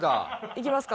いきますか？